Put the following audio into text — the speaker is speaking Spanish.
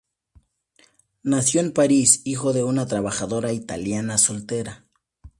Nació en París, hijo de una trabajadora italiana soltera.